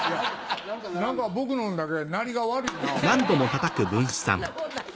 何か僕のだけ鳴りが悪いな思て。